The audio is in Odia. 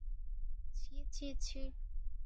ଛି, ଛି, ଛି!